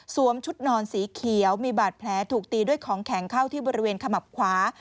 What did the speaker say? ชุดนอนสีเขียวมีบาดแผลถูกตีด้วยของแข็งเข้าที่บริเวณขมับขวา